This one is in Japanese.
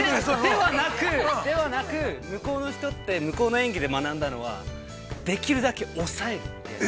ではなく、向こうの人って向こうの演技で学んだのはできるだけ抑えるということで。